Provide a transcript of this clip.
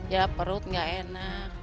ya perut tidak enak